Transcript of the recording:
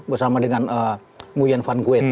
bersama dengan nguyen van kwayat